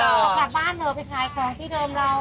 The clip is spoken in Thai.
เรากลับบ้านเลยไปขายความที่เดิมเรา